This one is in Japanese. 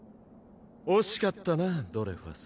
惜しかったなドレファス。